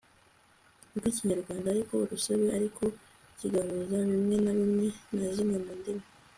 rw'ikinyarwanda ari urusobe ariko kigahuza bimwe na bimwe na zimwe mu ndimi